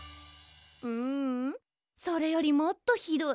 ううんそれよりもっとひどい。